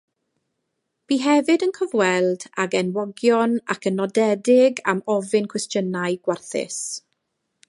Bu hefyd yn cyfweld ag enwogion, ac yn nodedig am ofyn cwestiynau gwarthus.